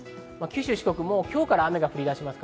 九州、四国、今日から雨が降り出します。